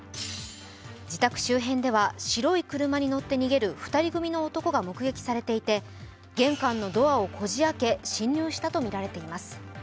自宅周辺では、白い車に乗って逃げる２人組の男が目撃されていて玄関のドアをこじ開け、侵入したとみられています。